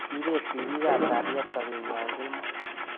kibeet ripik ab kalyet sobenwai kemoi